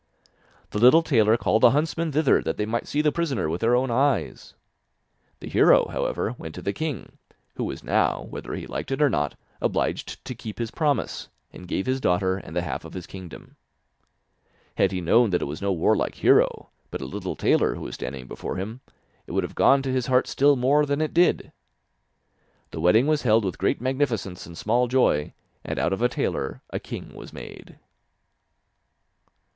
The little tailor called the huntsmen thither that they might see the prisoner with their own eyes. The hero, however, went to the king, who was now, whether he liked it or not, obliged to keep his promise, and gave his daughter and the half of his kingdom. Had he known that it was no warlike hero, but a little tailor who was standing before him, it would have gone to his heart still more than it did. The wedding was held with great magnificence and small joy, and out of a tailor a king was made.